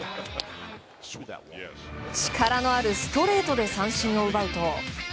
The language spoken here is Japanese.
力のあるストレートで三振を奪うと。